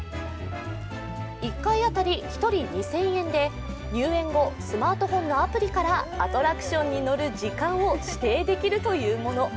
１回当たり１人２０００円で入園後、スマートフォンのアプリからアトラクションに乗る時間を指定できるというもの。